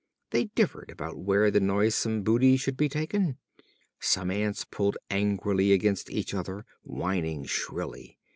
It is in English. They differed about where the noisesome booty should be taken. Some ants pulled angrily against each other, whining shrilly.